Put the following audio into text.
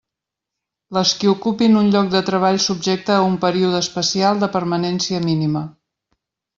Les qui ocupin un lloc de treball subjecte a un període especial de permanència mínima.